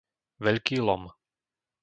Veľký Lom